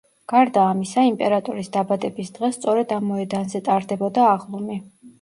გარდა ამისა იმპერატორის დაბადების დღეს სწორედ ამ მოედანზე ტარდებოდა აღლუმი.